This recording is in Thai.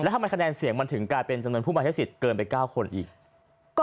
ทำไมคะแนนเสียงมันถึงกลายเป็นจำนวนผู้มาใช้สิทธิ์เกินไป๙คนอีก